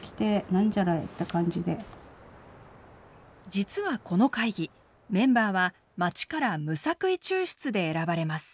実はこの会議メンバーはまちから無作為抽出で選ばれます。